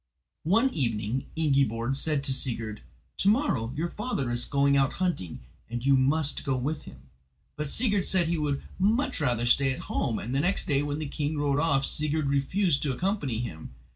One evening Ingiborg said to Sigurd: "To morrow your father is going out hunting, and you must go with him." But Sigurd said he would much rather stay at home, and the next day when the king rode off Sigurd refused to accompany him.